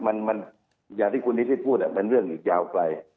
อย่างที่คุณนิพิษพูดมันเรื่องอีกยาวไป